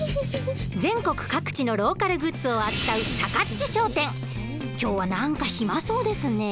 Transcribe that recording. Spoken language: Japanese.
全国各地のローカルグッズを扱う今日は何か暇そうですね。